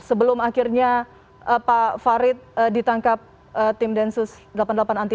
sebelum akhirnya pak farid ditangkap tim densus delapan puluh delapan anti